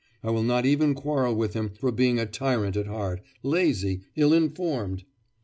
I will not even quarrel with him for being a tyrant at heart, lazy, ill informed!